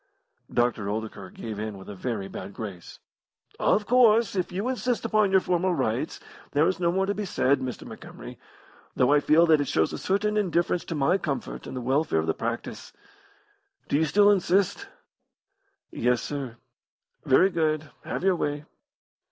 Dr. Oldacre gave in with a very bad grace. "Of course, if you insist upon your formal rights, there is no more to be said, Mr. Montgomery, though I feel that it shows a certain indifference to my comfort and the welfare of the practice. Do you still insist?" "Yes, sir." "Very good. Have your way."